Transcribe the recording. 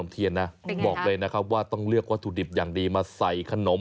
ต้องเลือกวัตถุดิบอย่างดีมาใส่ขนม